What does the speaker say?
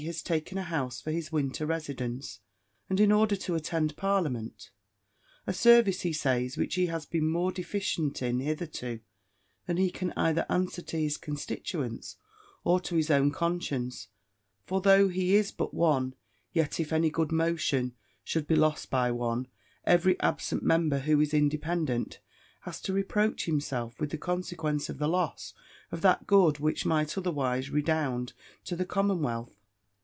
has taken a house for his winter residence, and in order to attend parliament: a service he says, which he has been more deficient in hitherto, than he can either answer to his constituents, or to his own conscience; for though he is but one, yet if any good motion should be lost by one, every absent member, who is independent, has to reproach himself with the consequence of the loss of that good which might otherwise redound to the commonwealth.